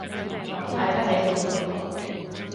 咁睇得起本毒毒